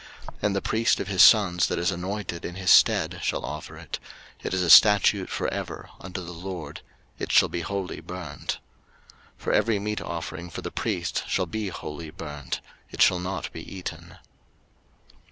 03:006:022 And the priest of his sons that is anointed in his stead shall offer it: it is a statute for ever unto the LORD; it shall be wholly burnt. 03:006:023 For every meat offering for the priest shall be wholly burnt: it shall not be eaten.